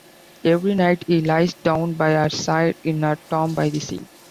Every night he lies down by her side in her tomb by the sea.